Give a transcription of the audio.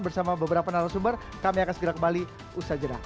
bersama beberapa narasumber kami akan segera kembali usaha jeda